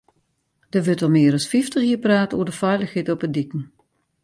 Der wurdt al mear as fyftich jier praat oer de feilichheid op de diken.